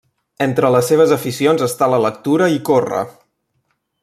Entre les seves aficions està la lectura i córrer.